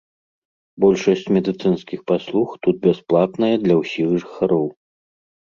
Большасць медыцынскіх паслуг тут бясплатная для ўсіх жыхароў.